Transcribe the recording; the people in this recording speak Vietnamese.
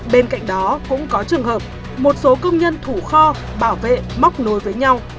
bên cạnh đó cũng có trường hợp một số công nhân thủ kho bảo vệ móc nối với nhau